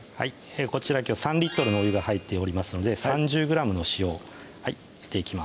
こちらきょう３のお湯が入っておりますので３０ｇの塩を入れていきます